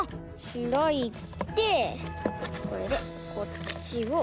ひらいてこれでこっちを。